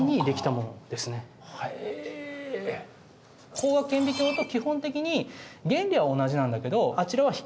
光学顕微鏡と基本的に原理は同じなんだけどあちらは光